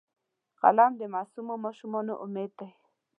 قلم د معصومو ماشومانو امید دی